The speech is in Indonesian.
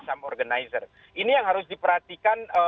sam organizer ini yang harus diperhatikan